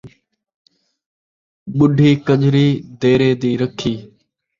ٻڈھی کنڄری، دیرے دی رکھی